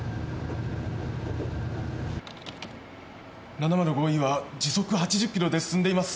７０５Ｅは時速８０キロで進んでいます。